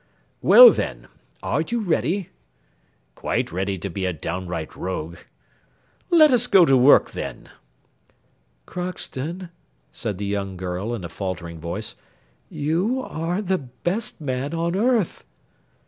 "Well, then, are you ready?" "Quite ready to be a downright rogue." "Let us go to work, then." "Crockston," said the young girl, in a faltering voice, "you are the best man on earth."